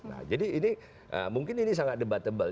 nah jadi ini mungkin ini sangat debat tebal